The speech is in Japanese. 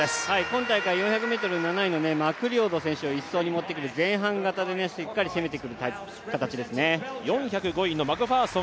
今大会４００ｍ７位のマクリオド選手を１走に持ってくる前半型でしっかり攻めてくる形ですね。